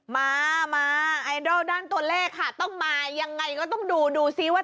มามาไอดอลด้านตัวเลขค่ะต้องมายังไงก็ต้องดูดูซิว่า